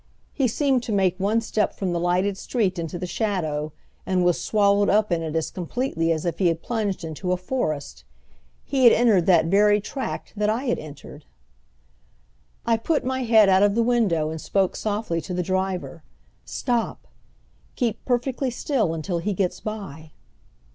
He seemed to make one step from the lighted street into the shadow, and was swallowed up in it as completely as if he had plunged into a forest. He had entered that very tract that I had entered! I put my head out of the window and spoke softly to the driver. "Stop! Keep perfectly still until he gets by."